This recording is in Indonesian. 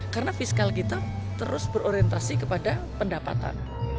karena fiskal kita terus berorientasi kepada pendapatan